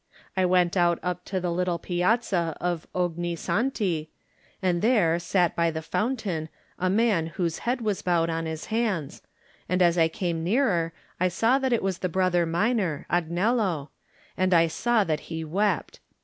I went out up to the little piazza of Ogni Santi, and there sat by the fountain a man whose head was bowed on his hands, and as I came nearer I saw that it was the Brother Minor, Agnello, and I saw that he wept.